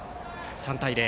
３対０。